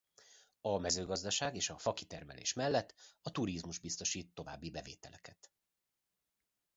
A mezőgazdaság és a fakitermelés mellett a turizmus biztosít további bevételeket.